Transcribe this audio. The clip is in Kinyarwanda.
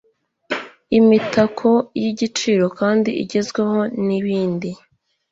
imitako y'igiciro kandi igezweho n'ibindi.